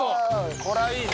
これはいいね。